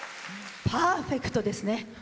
パーフェクトですね。